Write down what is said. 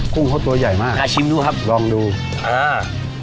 กุ้งเขาตัวใหญ่มากลองดูคุณชิมดูครับอ่า